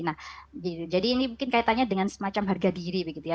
nah jadi ini mungkin kaitannya dengan semacam harga diri begitu ya